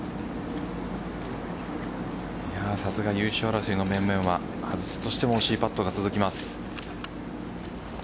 さすが優勝争いの面々は外すとしても惜しいパットが続きます。